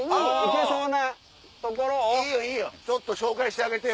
ちょっと紹介してあげてよ。